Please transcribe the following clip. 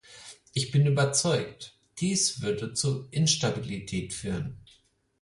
Ich bin überzeugt, dies würde zu Instabilität führen.